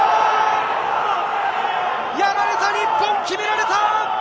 やられた、日本、決められた。